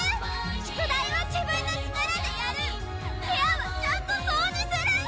宿題は自分の力でやる部屋はちゃんと掃除する。